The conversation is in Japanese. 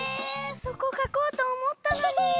えそこ書こうと思ったのに！